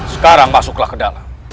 sekarang masuklah ke dalam